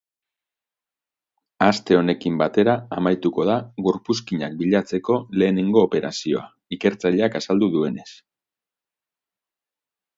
Aste honekin batera amaituko da gorpuzkinak bilatzeko lehenengo operazioa, ikertzaileak azaldu duenez.